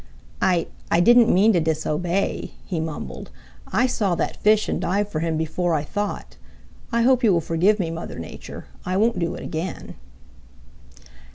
"I I didn't mean to disobey," he mumbled. "I saw that fish and dived for him before I thought. I hope you will forgive me, Mother Nature. I won't do it again."